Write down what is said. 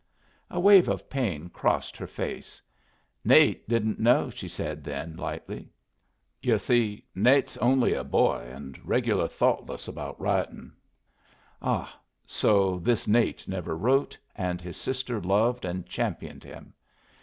A wave of pain crossed her face. "Nate didn't know," she said then, lightly. "You see, Nate's only a boy, and regular thoughtless about writing." Ah! So this Nate never wrote, and his sister loved and championed him!